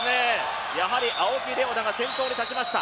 やはり青木玲緒樹が先頭に立ちました。